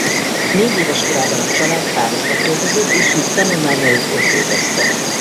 Négyéves korában a család Párizsba költözött és így tanulmányait ott végezte.